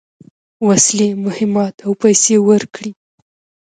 وسلې، مهمات او پیسې ورکړې.